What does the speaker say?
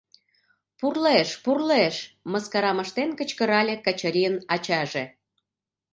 «Пурлеш, пурлеш!» — мыскарам ыштен, кычкырале Качырийын ачаже.